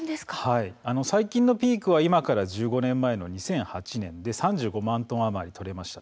最近のピークは今から１５年前の２００８年でこの時は３５万トン余り取れました。